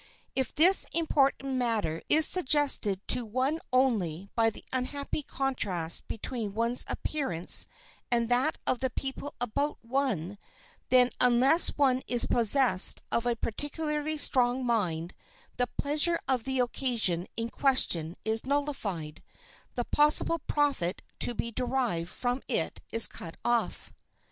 If this important matter is suggested to one only by the unhappy contrast between one's appearance and that of the people about one, then unless one is possessed of a particularly strong mind, the pleasure of the occasion in question is nullified, the possible profit to be derived from it is cut off.